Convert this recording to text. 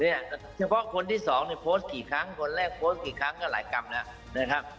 เฉพาะคนที่สองเนี่ยโพสต์กี่ครั้งคนแรกโพสต์กี่ครั้งก็หลายกรรมแล้วนะครับ